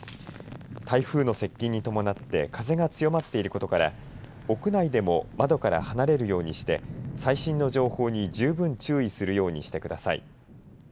台風の接近に伴って風が強まっていることから屋内でも窓から離れるようにして最新の情報に十分注意するようにしてください。